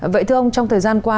vậy thưa ông trong thời gian qua